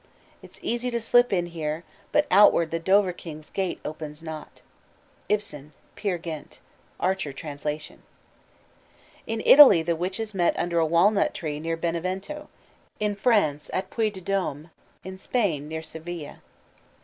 "It's easy to slip in here, But outward the Dovre King's gate opens not." IBSEN: Peer Gynt. (Archer trans.) In Italy the witches met under a walnut tree near Benevento; in France, in Puy de Dome; in Spain, near Seville.